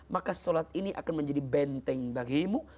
maka sholat ini akan menjadi benteng bagimu